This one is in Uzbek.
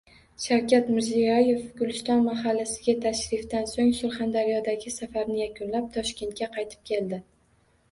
Shavkat Mirziyoyev Guliston mahallasiga tashrifidan so‘ng Surxondaryodagi safarini yakunlab, Toshkentga qaytib keldi